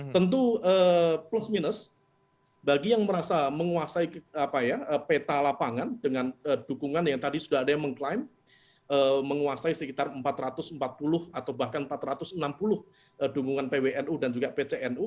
tentu plus minus bagi yang merasa menguasai peta lapangan dengan dukungan yang tadi sudah ada yang mengklaim menguasai sekitar empat ratus empat puluh atau bahkan empat ratus enam puluh dukungan pwnu dan juga pcnu